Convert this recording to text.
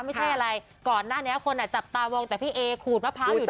ไม่ใช่อะไรก่อนหน้านี้คนจับตามองแต่พี่เอขูดมะพร้าวอยู่นะ